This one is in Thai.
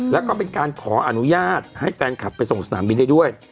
แล้วก็เป็นการขออนุญาตให้แฟนคลับไปส่งสนามบินได้ด้วย